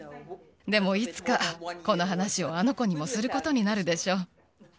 でも、いつかこの話をあの子にもすることになるでしょう。